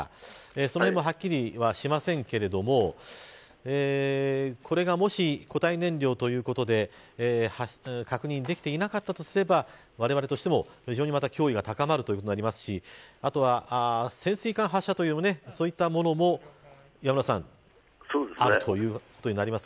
そのへんもはっきりしませんがこれがもし固体燃料ということで確認できていなかったとすればわれわれとしても非常に脅威が高まることになりますし潜水艦から発射というものもあるということになります。